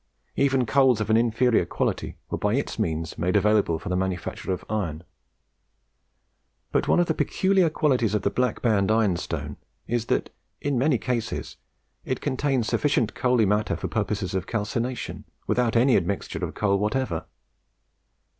Even coals of an inferior quality were by its means made available for the manufacture of iron. But one of the peculiar qualities of the Black Band ironstone is that in many cases it contains sufficient coaly matter for purposes of calcination, without any admixture of coal whatever.